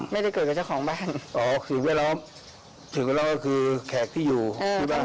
ไม่ได้เกิดกับเจ้าของบ้านอ๋อคือแวดล้อมถึงแล้วก็คือแขกที่อยู่ที่บ้าน